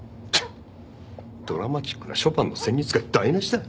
ドラマチックなショパンの旋律が台無しだ。